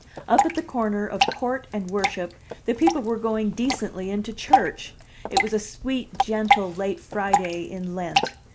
Up at the corner of Court and Worship the people were going decently into church; it was a sweet, gentle late Friday in Lent.